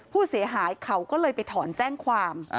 ผู้เสียหายเขาก็เลยไปถอนแจ้งความ